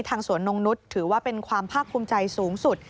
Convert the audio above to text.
สวนนงนุษย์ถือว่าเป็นความภาคภูมิใจสูงสุด